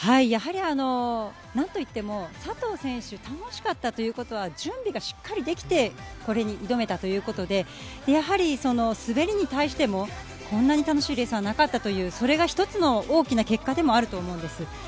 やはり何といっても佐藤選手、楽しかったということは準備がしっかりできて、これに挑めたということで、やはり滑りに対してもこんなに楽しいレースはなかったという、それが一つの大きな結果でもあると思うんです。